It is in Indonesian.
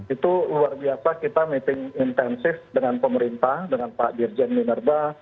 itu luar biasa kita meeting intensif dengan pemerintah dengan pak dirjen minerba